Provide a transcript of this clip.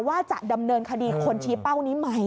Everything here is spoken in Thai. ว่าจะดำเนินคดีคนชี้เป้านี้ไหม